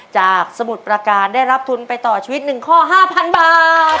จากสมุดประการได้รับทุนไปต่อชีวิตหนึ่งข้อห้าพันบาท